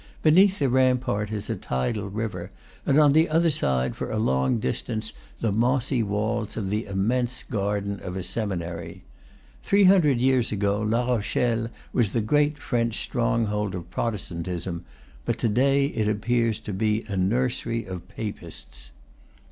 Beneath the rampart is a tidal river, and on the other side, for a long distance, the mossy walls of the immense garden of a seminary. Three hundred years ago, La Rochelle was the great French stronghold of Protestantism; but to day it appears to be a'nursery of Papists.